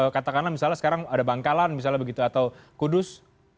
katakanlah misalnya sekarang ada bangkalan misalnya begitu atau kudus